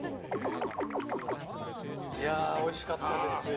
おいしかったですよ。